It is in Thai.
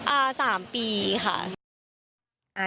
อ่า๓ปีค่ะ